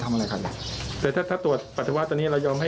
ผมไม่ได้เล่นกับเขารอบ